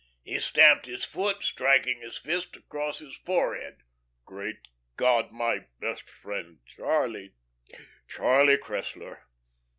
He stamped his foot, striking his fist across his forehead, "Great God my best friend Charlie Charlie Cressler!